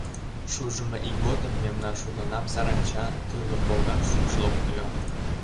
Шужымо ий годым мемнан шурнынам саранча, тӱрлӧ полган шукш локтыльо.